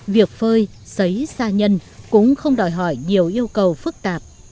việc phơi xấy xa nhân cũng không đòi hỏi nhiều yêu cầu phức tạp